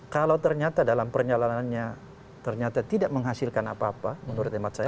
kalau ternyata dalam perjalanannya ternyata tidak menghasilkan apa apa menurut hemat saya